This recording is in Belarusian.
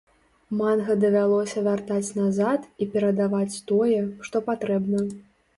Манга давялося вяртаць назад і перадаваць тое, што патрэбна.